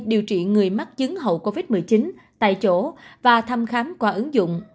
điều trị người mắc chứng hậu covid một mươi chín tại chỗ và thăm khám qua ứng dụng